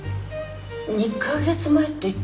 ２カ月前っていったら。